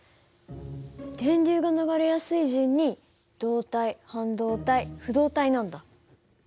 電流が流れやすい順に導体半導体不導体なんだ。